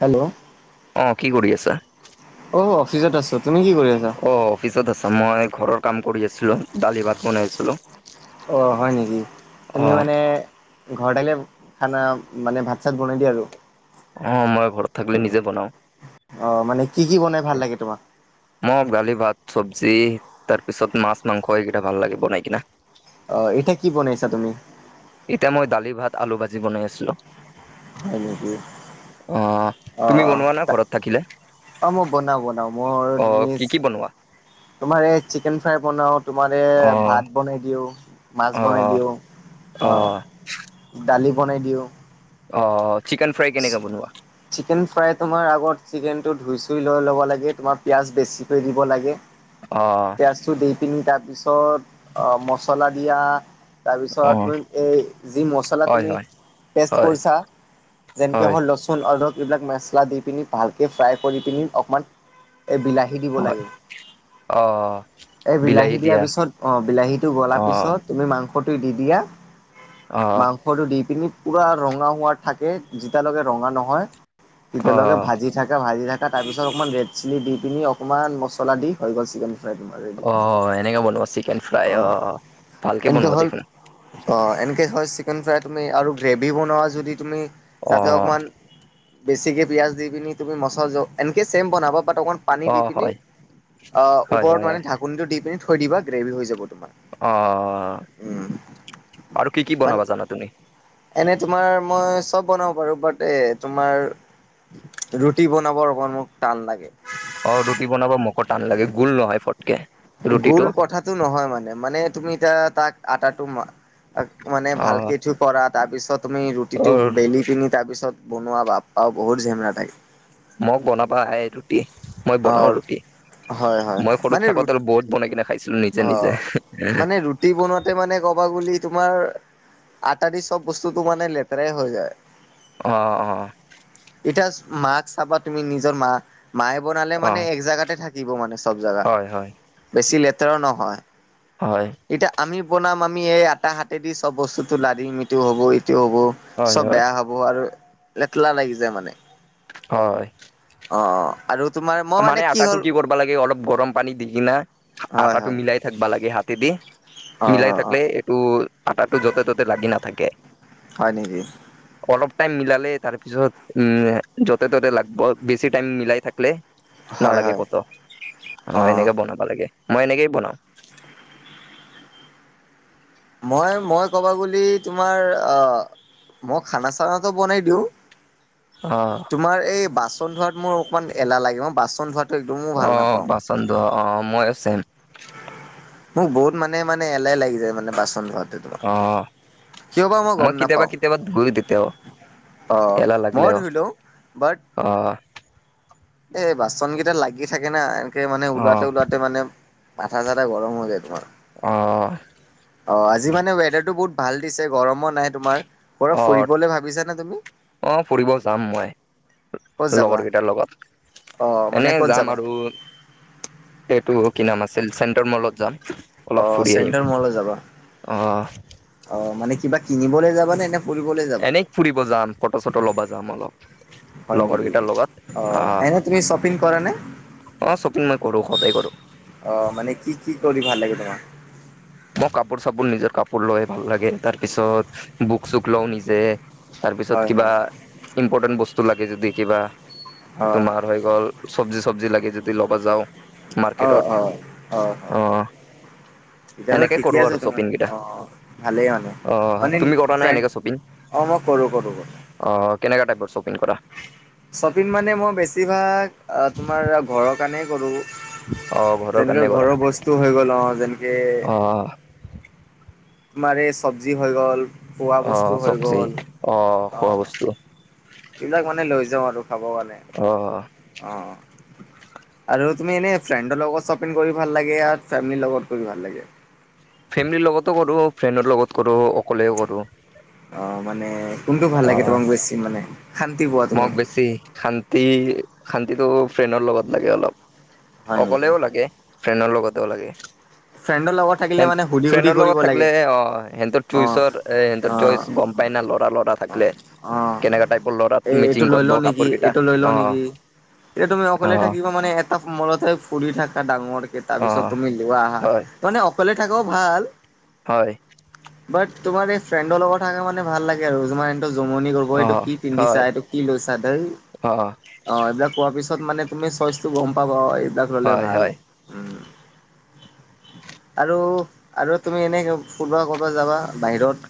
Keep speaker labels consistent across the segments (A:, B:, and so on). A: Hello.
B: অ কি কৰি আছা?
A: অহ অফিচত আছো। তুমি কি কৰি আছা?
B: অফিছত আছা। মই ঘৰৰ কাম কৰি আছিলোঁ। দালি ভাত বনাই আছিলোঁ।
A: অ হয় নেকি? তুমি মানে ঘৰতে আহিলে খানা- মানে ভাত চাত বনাই দিয়া আৰু।
B: অ মই ঘৰত থাকিলে নিজে বনাওঁ।
A: অ মানে কি কি বনাই ভাল লাগে তোমাৰ?
B: মক দালি, ভাত, চব্জি তাৰপিছত মাছ-মাংস এইকেইটা ভাল লাগে বনাই কিনে।
A: অ এতিয়া কি বনাইছা তুমি?
B: এতিয়া মই দালি, ভাত, আলু-ভাজি বনাই আছিলো।
A: হয় নেকি?
B: অ
A: অ
B: তুমি বনোৱা না ঘৰত থাকিলে
A: অ, মই বনাওঁ-বনাও। মোৰ
B: অ
A: তুমি
B: কি কি বনোৱা?
A: তোমাৰ এই চিকেন ফ্ৰাই বনাও, তোমাৰ এই
B: অ
A: ভাত বনাই দিও। মাছ
B: অ
A: বনাই দিওঁ,
B: অ
A: দালি বনাই দিওঁ।
B: অ' চিকেন ফ্ৰাই কেনেকে বনোৱা?
A: চিকেন ফ্ৰাই তোমাৰ আগত চিকেনটো ধুই চুই লৈ ল'ব লাগে, তোমাৰ পিয়াজ বেছিকৈ দিব লাগে।
B: অ
A: পিয়াজটো দি পিনি তাৰ পিছত অহ মচলা দিয়া তাৰপিছত
B: অ
A: তুমি এই যি মচলা
B: হয়
A: তুমি
B: হয়
A: পেষ্ট
B: হয়
A: কৰিছা যেনেকে
B: হয়
A: হ'ল লচুন, অদৰক এইবিলাক মেচলা দি পিনি, ভালকে ফ্ৰাই কৰি পিনি, অকমান এই বিলা হী দিব
B: হয়
A: লাগে।
B: অ
A: এ বিলাহী দিয়াৰ পিছত, অ বিলাহীটো গলা
B: অ
A: পিছত তুমি মাংস টো দি দিয়া।
B: অ
A: মাংসটো দি পিনি পুৰা ৰঙা হোৱা থাকে যেতিয়ালৈকে ৰঙা নহয় তেতিয়ালৈকে
B: অ
A: ভাজি থাকা, ভাজি থাকা তাৰ পিছত অকণমান ৰেড চিলি দি পিনি, অকণমান মছলা দি হৈ গ'ল চিকেন ফ্ৰাই তোমা-
B: অ এনেকা বনোৱা চিকেন ফ্ৰাই অ অ। ভালকে
A: এনেকে
B: বনোৱা
A: হ'ল
B: দেখোন।
A: অ' এনেকে হয় চিকেন ফ্ৰাই তুমি আৰু গ্ৰেভি বনোৱা যদি তুমি
B: অ
A: তাতে অকণমান বেছিকে পিঁয়াজ দি পিনি তুমি মছলা, এনেকৈ চেম বনাবা বাট অকণমান পানী
B: অ
A: দি পিনি,
B: হয়
A: অ
B: হয়
A: ওপৰত
B: হয়
A: মানে
B: হয়
A: ঢাকনিটো দি পিনি থৈ দিবা, গ্ৰেভি হৈ যাব তোমাৰ।
B: অ অ
A: উম,
B: আৰু কি কি
A: মানে
B: বনাবা জানা তুমি?
A: এনে তোমাৰ মই চব বনাব পাৰো। বাট এ তোমাৰ ৰুটি বনাবৰ অকমান মোক টান লাগে।
B: অ ৰুটি বনাব মোকো টান লাগে গোল নহয় ফটকে।
A: গোল
B: ৰুটিটো
A: কথাাটো নহয় মানে, মানে তুমি এতিয়া তাক আটাটো মা মানে
B: অ
A: ভালকে ঠো কৰা তাৰ পিছত তুমি
B: অ
A: ৰুটিটো বেলি পিনি তাৰপিছত বনোৱা বাপ্পাও বহুত ঝেমেলা টাইপ।
B: মই বনাবা এ ৰুটি, মই বনাও
A: অ',
B: ৰুটি।
A: হয় হয়
B: মই সৰুত
A: মানে ৰু
B: থাকোতে বহুত বনাই কিনে খাইছিলো নি-
A: অ মানে ৰুটি বনোৱাতে মানে ক'বা গলি তোমাৰ আটা দি চব বস্তুটো মানে লেতেৰাই হৈ যায়।
B: অ অ।
A: এতিয়া মাক চাবা তুমি নিজৰ মা। মায়ে বনালে
B: অ
A: মানে এক জেগাতে থাক কিব মানে চব জেগা,
B: হয় হয়
A: বেছি লেতেৰাও নহয়।
B: হয়।
A: এতিয়া আমি বনাম আমি এই আটা হাতে দি চব বস্তুটো লাৰিম, ইটো হ'ব ইটো হব।
B: হয়
A: চব
B: হয়
A: বেয়া হ'ব আৰু লেতলা লাগি যায় মানে।
B: হয়।
A: অঁ আৰু তোমাৰ মই
B: মানে আটাটো
A: হ'ল
B: কি কৰিবা লাগে অলপ গৰম পানী দি কিনা,
A: হয়
B: আটাটো
A: হয়
B: মিলাই থাকিবা লাগে হাতে দি।
A: হয়
B: মিলাই
A: হয় অ
B: থাকিলে এইটো আটাটো য'তে-ত'তে লাগি নাথাকে।
A: হয় নেকি
B: অলপ টাইম মিলালে তাৰপিছত উম য'তে ত'তে লাগিব বেছি টাইম মিলাই থাকিলে।
A: হয়
B: নালাগে
A: হয়
B: কত, অ এনেকে বনাবা লাগে মই এনেকেই বনাও।
A: মই মই ক'বা গলে তোমাৰ আ মই খানা চানাটো বনাই দিওঁ।
B: অ।
A: তোমাৰ এই বাচন ধোৱাত মোৰ অকণমান এলাহ লাগে, মই বাচন ধোৱাত
B: অ বাচন ধোৱা, অ মই চেম।
A: মোক বহুত মানে মানে এলাহ লাগি যায় মানে বাচন ধোৱাটো।
B: অ মই কেতিয়াবা কেতিয়াবা ধুই তেতিয়াও।
A: অঁ মই ধুই লও বাট
B: অঁ।
A: এই বাচন কেইটা লাগি থাকে না? কে মানে
B: অ
A: ওলাওতে - ওলাওতে মানে মাঠা চাঠা গৰম হৈ যায় তোমাৰ।
B: অ
A: অ আজি মানে ৱেডাৰটো বহুত ভাল দিছে, গৰমো নাই তোমাৰ। ক'ৰবাত
B: অ,
A: ফুৰিবলৈ ভাবিছানে তুমি
B: অ ফুৰিব যাম মই
A: ক'ত যাবা?
B: লগৰ কেইটাৰ লগত।
A: অ মানে
B: এনে
A: ক'ত
B: যাম
A: যাবা?
B: আৰু। এইটো কি নাম আছিল চেণ্টাৰ মলত যাম।
A: অ
B: অলপ ফুৰি আহিম,
A: চেণ্ট্ৰেল মললৈ যাবা।
B: অহ।
A: অ মানে কিবা কিনিবলৈ যাবা নে এ
B: এনে ফুৰিব যাম ফট - চট ল'বা যাম অলপ।
A: হয়
B: লগৰ
A: নেকি
B: কেইটাৰ লগত
A: অ
B: আহ
A: এনে তুমি শ্বপিং কৰা নে?
B: অ শ্বপিং মই কৰো সদায় কৰো।
A: অ মানে কি কি কৰি ভাল লাগে তোমাৰ?
B: মই কাপোৰ - চাপোৰ নিজৰ কাপোৰ লৈ ভাল লাগে, তাৰ পিছত বুক- চুক লওঁ নিজে। তাৰপিছত
A: হয়
B: কিবা
A: হয়
B: ইম্পৰ্টেন্ট বস্তু লাগে যদি কিবা
A: অ
B: তোমাৰ হৈ গ'ল চবজি - চবজি লাগি যদি ল'বা যাওঁ
A: অ অ
B: মাৰ্কেটত অ।
A: তেতিয়াটো
B: এনেকে কৰো
A: ঠিকে
B: আৰু
A: আছে তোমাৰ,
B: শ্বপিং কেইটা
A: অ ভালেই মানে
B: অ
A: মানে
B: তুমি কৰা নাই
A: ফ্ৰেণ
B: এনেকে শ্বপিং
A: অঁ মই কৰোঁ কৰো কৰ
B: অ কেনেকুৱা টাইপৰ শ্বপিং কৰা?
A: শ্বপিং মানে মই বেছিভাগ আ তোমাৰ ঘৰৰ কাৰণেই কৰো।
B: অ ঘৰৰ কাৰণে
A: যেনেকে
B: কৰা
A: ঘৰৰ বস্তু হৈ গ'ল অ যেনেকে
B: অ
A: মাৰ এ চবজি হৈ গ'ল, খোৱা
B: অ
A: বস্তু হৈ
B: চব্জি
A: গ'ল অ
B: খোৱা বস্তু
A: এইবিলাক মানে লৈ যাওঁ আৰু খাব কাৰণে
B: অ
A: অ। আৰু তুমি এনেই ফ্ৰেণ্ডৰ লগত শ্বপিং কৰি ভাল লাগে ফেমিলিৰ লগত কৰি ভাল লাগে?
B: ফেমিলিৰ লগতো কৰোঁ, ফ্ৰেণ্ডৰ লগত কৰোঁ, অকলেও কৰোঁ।
A: অ মানে কোনটো ভাল লাগে
B: অ
A: তোমাক বেছি মানে? শান্তি পোৱা তুমি?
B: মোক বেছি শান্তি শান্তিটো ফ্ৰেণ্ডৰ লগত লাগে
A: হয়
B: অলপ।
A: নেকি?
B: অকলেও লাগে, ফ্ৰেণ্ডৰ লগতেও লাগে।
A: ফ্ৰেণ্ডৰ লগত থাকিলে
B: ফ্ৰেন
A: মানে সুধি সুধি
B: -ফ্ৰেণ্ডৰ
A: কৰিব
B: লগত থাকিলে
A: লাগে
B: অ সিহঁতৰ
A: অ
B: চুইচৰ এ সিহঁতৰ
A: অ
B: চইচ গম পাই না লৰা লৰা থাকিলে,
A: অ
B: কেনেকা টাইপৰ লৰা
A: এই এইটো
B: মেচিং
A: লৈ
B: কৰব
A: লওঁ নেকি
B: কাপোৰ কেইটা
A: এইটো লৈ লওঁ
B: অ।
A: নেকি? এতিয়া তুমি
B: অ
A: অকলে থাকিবা মানে এটা মলতে ফুৰি থাকা ডাঙৰকে তাৰ
B: অ
A: পিছত তুমি লোৱা আহা।
B: হয়
A: তাৰমানে অকলে থাক ভাল।
B: হয়।
A: বাট তোমাৰ এই ফ্ৰেণ্ডৰ লগত থাকে মানে ভাল লাগে আৰু এইটো জমনি কৰিব
B: অ
A: এইটো কি
B: হয়
A: পিন্ধিছা এইটো কি লৈছা দেই অ' এইবিলাক কোৱা পিছত মানে তুমি চইচটো গম পাবা অ' এইবিলাক ল'লে
B: হয়
A: ভাল। উম
B: [inaudible]
A: আৰু আৰু তুমি এনেকে ফুৰবা ক'বাত যাবা বাহিৰত।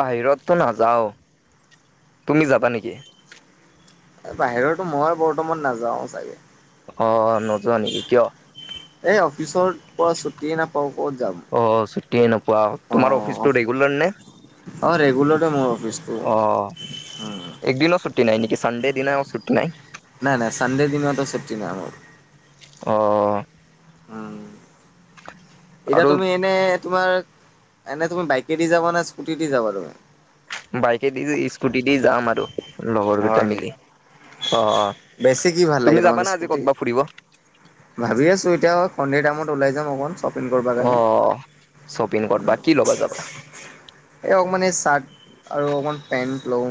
B: বাহিৰতটো নাযাওঁ তুমি যাবা নেকি?
A: বাহিৰতটো মইও বৰ্তমান নাযাও চাগে।
B: অ' নযোৱা নেকি কিয়?
A: এই অফিচৰ পৰা ছুটিয়ে নাপাওঁ ক'ত যাম।
B: অ' ছুটিয়ে নোপোৱা,
A: অ
B: তোমাৰ অফিচটো ৰেগুলাৰ নে?
A: অ' ৰেগুলাৰ এ' মোৰ অফিচটো।
B: অ'।
A: উম
B: একদিনও ছুটি নাই নেকি চাণ্ডে দিনাও ছুটি নাই?
A: নাই-নাই চানডে দিনতও ছুটি নাই মোৰ।
B: অ'।
A: উম। এতিয়া
B: আৰু
A: তুমি এনে তোমাৰ এনে তুমি বাইকেদি যাবা না স্কুটি দি যাবা তুমি?
B: বাইকে দি, স্কুটি দি যাম আৰু। লগৰ কেইটা
A: হয়
B: মিলি,
A: নেকি
B: অ'
A: বেছি কি ভাল লাগে
B: তুমি
A: তোমাক
B: যাবানা আজি
A: স্কুটি
B: কতবা ফুৰিব?
A: ভাবি আছো এতিয়া সন্ধিয়াৰ টাইমত ওলাই যাম অকণ চব
B: অ', শ্বপিং কৰবা কি ল'বা যাবা?
A: এই অকমান এই চাৰ্ট আৰু অকমান পেন্ট লওঁ।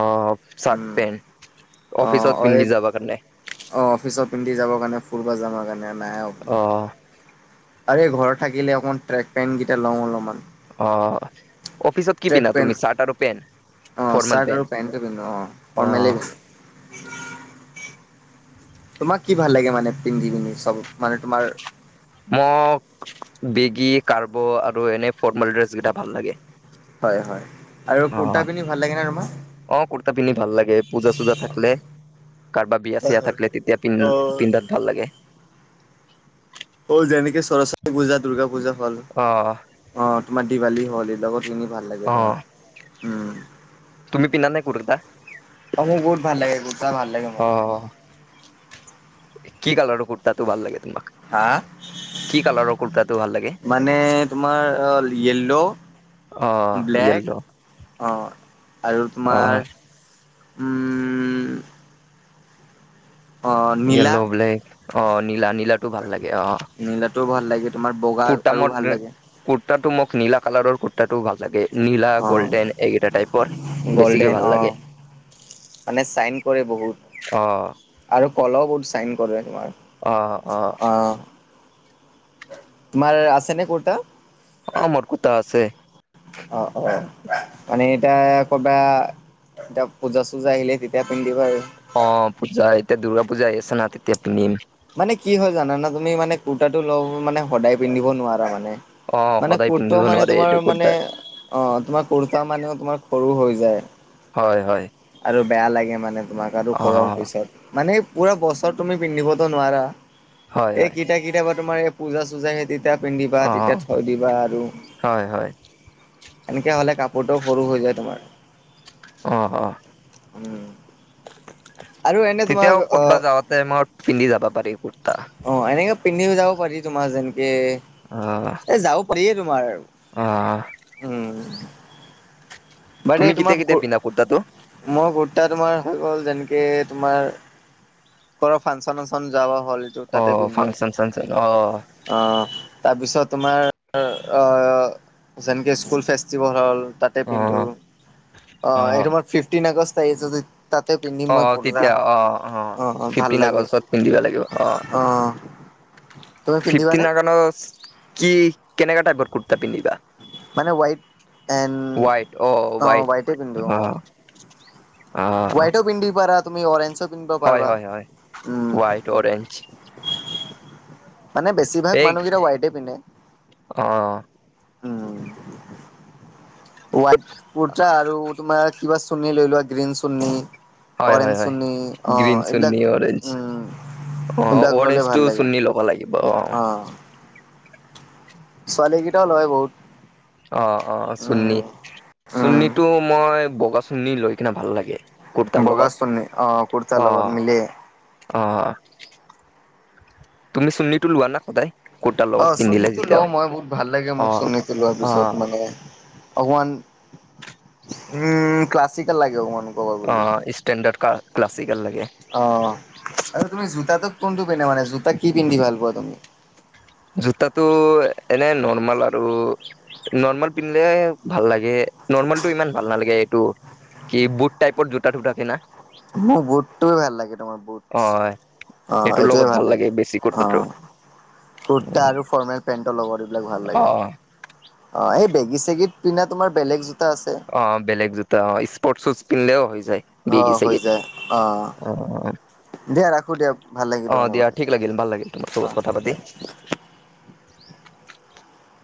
B: অ' চাৰ্ট, পেণ্ট,
A: অ',
B: অফিচত
A: অ', এই
B: পিন্ধি যাবা কাৰণে?
A: অ' অফিচত পিন্ধি যাব কাৰণে, ফুৰবা যাবাৰ কাৰণে অকমান।
B: অ'।
A: আৰু এই ঘৰত থাকিলে অকণমান ট্ৰেক পেণ্ট কেইটা লওঁ অলপমান।
B: অ', অফিচত কি
A: ট্ৰেক
B: পিন্ধা
A: পেণ্ট
B: তুমি চাৰ্ট আৰু পেণ?
A: অ', চাৰ্ট আৰু পেণ্টটো পিন্ধো, অ' ফৰ্মেলেই পিন্ধো। তোমাক কি ভাল লাগে মানে পিন্ধি পিনি চব মানে তোমাৰ
B: মক বেগী, কাৰ্গো আৰু এনে ফৰ্মেল ড্ৰেছ কেইটা ভাল লাগে।
A: হয়-হয় আৰু
B: অ
A: কুৰ্তা পিন্ধি ভাল লাগে নে তোমাৰ?
B: অ' কুৰ্তা পিন্ধি ভাল লাগে পূজা চূজা থাকিলে। কাৰোবাৰ বিয়া -চিয়া থাকিলে তেতিয়া পিন্ধ
A: অ',
B: পিন্ধাত ভাল লাগে।
A: অ' যেনেকে সৰস্বতী পূজা, দূৰ্গা পূজা হল
B: অ
A: অ' তোমাৰ দিৱালী হ'ল এইবিলাকত কিনি ভাল
B: অ
A: লাগে তোমাৰ উম।
B: তুমি পিন্ধা নে কুৰ্তা?
A: অ' মোৰ বহুত ভাল লাগে কুৰ্তা ভাল লাগে মোৰ।
B: অ'। কি কালাৰৰ কুৰ্তাটো ভাল লাগে তোমাক?
A: হা!
B: কি কালাৰৰ কুৰ্তাটো ভাল লাগে?
A: মানে তোমাৰ হল yellow
B: or
A: black,
B: yellow
A: or' আৰু
B: অ
A: তোমাৰ উম অঁ
B: য়েল্ল,
A: নীলা
B: ব্লেক অ' নীলা-নীলা। তো ভাল লাগে অ',
A: নীলাটোও ভাল লাগে তোমাৰ বগা
B: কুর্তা
A: আৰু ভাল লাগে
B: [unintelligible] কুৰ্তাটো মোক নীলা কালাৰৰ কুৰ্তাটো ভাল লাগে। নীলা,
A: অঁ
B: গল্ডেন এইকেইটা টাইপৰ বেছিকে
A: গল্ডেন
B: ভাল
A: অঁ
B: লাগে।
A: মানে চাইন কৰে
B: অ
A: বহুত আৰু কলাও বহুত চাইন কৰে তোমাৰ।
B: অ', অ'।
A: অঁ তোমাৰ আছে নে কুৰ্তা?
B: অ মতকুতা আছে।
A: অ অ, মানে এতা ক'বা এতিয়া পূজা -চুজা আহিলে তেতিয়া পিন্ধিবা আৰু।
B: অ পূজা এতিয়া দুৰ্গা পূজা আহি আছে না তেতিয়া পিন্ধিম।
A: মানে কি হয় জানানা তুমি মানে কুৰ্তাটো ল মানে সদায় পিন্ধিব নোৱাৰা মানে।
B: অ
A: মানে
B: সদায়
A: কোৰ্ট
B: পিন্ধিব
A: মানে
B: নোৱাৰে
A: তোমাৰ
B: এইটো
A: মানে
B: কুৰ্তা
A: অ তোমাৰ কুৰ্তা মানেও তোমাৰ সৰু হৈ যায়।
B: হয় হয়
A: আৰু বেয়া লাগে মানে তোমাক আৰু
B: অ
A: সৰহ পিছত মানে পুৰা বছৰ তুমি পিন্ধিবতো নোৱাৰা
B: হয় হয়
A: এইকিত- এতিয়া কেতিয়াবা তোমাৰ এই পূজ চূজা হয় তেতিয়া পিন্ধিবা
B: অ
A: তেতিয়া থৈ দিবা আৰু।
B: হয় হয়
A: এনেকে হ'লে কাপোৰটো সৰু হৈ যায় তোমাৰ।
B: অ অহ।
A: উম আৰু এনে তোমাক
B: তেতিয়াও
A: অ
B: কতবা যাওঁতে মই পিন্ধি যাবা পাৰি কুৰ্তা
A: অ এনেকে পিন্ধি যাব পাৰি তোমাৰ যেনকে
B: আহ
A: এ যাব পাৰে তোমাৰ
B: আহ
A: উম ভাইটি
B: তুমি
A: তোমাৰ
B: কেতিয়া
A: কো
B: কেতিয়া পিন্ধা কুৰ্তাটো
A: মই কুৰ্তা তোমাৰ হৈ গ'ল যেনেকে তোমাৰ কৰ ফাংচন চাংচন যাব হ'লেটো
B: অ
A: তাতে পিন্ধো।
B: ফাংচন চাংচন
A: অ তাৰপিছত তোমাৰ অহ যেনেকে স্কুল ফেষ্টিভেল হ'ল তাত পিন্ধো,
B: অ
A: কিন্তু অ এইটো মই ফিফটিন আগষ্ট আহি আছে। তাতে পিন্ধি
B: অ
A: মই কুৰ্তা
B: তেতিয়া অ অ
A: অহ অহ ভাল
B: ফিফটিন
A: লাগে
B: আগষ্টত পিন্ধিব
A: অ তুমি
B: ফিফটি
A: পিন্ধিবানে
B: নাগানছ কি কেনেক টাইপৰ কুুৰ্তা পিন্ধিবা
A: মানে হোৱাইট এণ্ড
B: হোৱাইট আহ
A: অ হোৱাইটে
B: হোৱাইট
A: পিন্ধো অ
B: আহ [inaudible]
A: হোৱাইটো পিন্ধিব পাৰা তুমি অৰেজ
B: হয় হয় হয় ৱাইট অৰেঞ্জ
A: মানে বেছিভাগ
B: এই
A: মানুহকেইটা ৱাইটে পিন্ধে।
B: অ
A: উম ৱাইট কুৰ্তা আৰু তোমাৰ কিবা চোৰনী লৈ লোৱা। গ্ৰীণ চুৰ্নি
B: হয়
A: অৰেঞ্জ
B: হয় হয়
A: চুৰ্নি অ
B: গ্ৰীণ
A: এইবিলাক
B: চুন্নি অৰেঞ্জ
A: উম অ এইবিলাক ললে ভাল
B: অৰেঞ্জটো
A: লাগে,
B: চুন্নি ল'ব লাগিব
A: অ। ছোৱালীকেইটাও লয় বহুত।
B: অ অ অ চুল্লি
A: উম,
B: চুৰ্নিটো
A: উম।
B: মই বগা চুৰ্নি লৈ কিনে ভাল লাগে। কুৰ্তাৰ
A: বগা
B: লগত
A: চুৰ্নি অ কুৰ্তা
B: অ
A: লগত মিলে।
B: অ। তুমি চুৰ্নিটো লোৱা না সদায়? কুৰ্তাৰ
A: অ
B: লগত পিন্ধিলে
A: চুৰ্ণীটো
B: যেতিয়া
A: লও মই বহুত ভাল লাগে
B: অ
A: মোক চুৰ্ণীটো লোৱাৰ
B: অ
A: পিছত মানে। অকমান উম ক্লাছিকেল লাগে অকমান। ক'ব
B: অ
A: গ'লে
B: ষ্টেণ্ডাৰ্ড ক্লাছিকেল লাগে।
A: অ'। আৰু তুমি জোতাটো কোনটো পিন্ধা মানে, জোতা কি পিন্ধি ভাল পোৱা তুমি?
B: জোতটো এনে নৰ্মাল আৰু। নৰ্মেল পিন্ধিলে ভাল লাগে, নৰ্মেলটো ইমান ভাল নালাগে এইটো। কি বুট টাইপৰ জোতা টোতা কিনা?
A: মোৰ বুটটোয়ে ভাল লাগে তোমাৰ
B: অ
A: বুটছ, অ
B: এইটোৰ
A: এইটোৱে
B: লগত
A: ভাল লাগে
B: বেছি
A: অ।
B: কুৰ্তাটো
A: কুৰ্তা আৰু ফৰ্মেল পেন্টৰ লগত এইবিলাক ভাল
B: অ
A: লাগে। অ এই বেগি চেগীত পিন্ধা তোমাৰ বেলেগ জোতা আছে।
B: অ বেলেগ জোতা অ স্পৰ্ট শ্বুজ পিন্ধিলেও হৈ যায়। বেগি
A: অ', হৈ
B: ছেগিত
A: যায়
B: অ অ।
A: দিয়া ৰাখো দিয়া ভাল লাগিল
B: অ
A: তোমাৰ লগত
B: দিয়া
A: কথা
B: ঠিক
A: পাতি
B: লাগিল ভাল লাগিল তোমাৰ লগত
A: অ',
B: কথাপতি।
A: দিয়া।